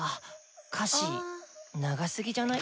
歌詞長すぎじゃない？